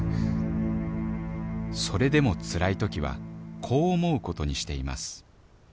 それでもつらい時はこう思うことにしています